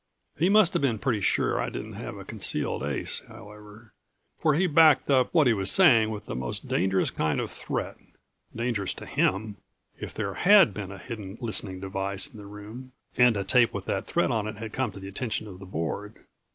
He must have been pretty sure I didn't have a concealed ace, however, for he backed up what he was saying with the most dangerous kind of threat. Dangerous to him ... if there had been a hidden listening device in the room and a tape with that threat on it had come to the attention of the Board.